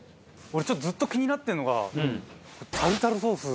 俺ちょっとずっと気になってるのがタルタルソース。